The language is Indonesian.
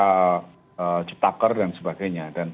ketika cetakar dan sebagainya